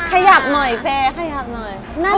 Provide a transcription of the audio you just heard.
ขยับหน่อยแฟร์ขยับหน่อย